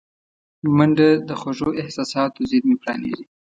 منډه د خوږو احساساتو زېرمې پرانیزي